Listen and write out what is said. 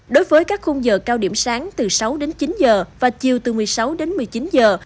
đối với các khung giờ cao điểm sáng từ sáu đến chín giờ và chiều từ một mươi sáu đến một mươi chín giờ